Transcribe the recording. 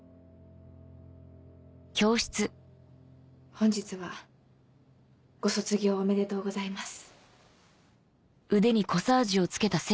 本日はご卒業おめでとうございます。